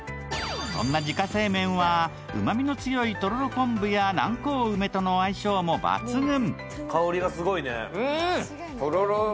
その自家製麺は、うまみの強いとろろ昆布や南高梅との相性も抜群。